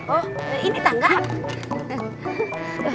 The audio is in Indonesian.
oh ini tangga